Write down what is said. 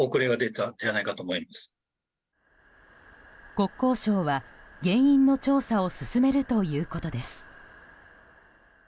国交省は原因の調査を進めるということです。